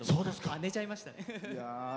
寝ちゃいました。